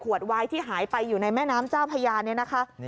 ขวดไวท์ที่หายไปอยู่ในแม่น้ำเจ้าพญาน